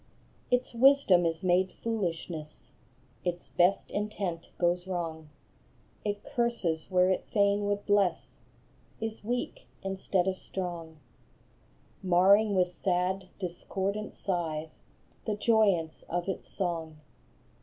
Its wisdom is made foolishness ; Its best intent goes wrong ; It curses where it fain would bless, Is weak instead of strong, Marring with sad, discordant sighs The joyance of its song.